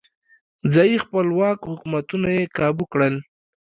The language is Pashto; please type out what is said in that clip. ځايي خپلواک حکومتونه یې کابو کړل.